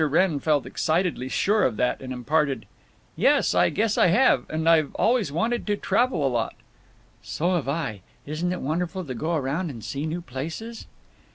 Wrenn felt excitedly sure of that, and imparted: "Yes, I guess I have…. And I've always wanted to travel a lot." "So have I! Isn't it wonderful to go around and see new places!"